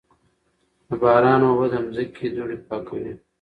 د باران اوبه د ځمکې دوړې پاکوي.